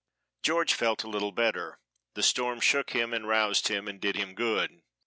George felt a little better; the storm shook him and roused him and did him good.